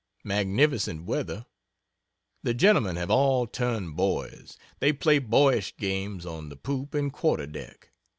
Magnificent weather. The gentlemen have all turned boys. They play boyish games on the poop and quarter deck.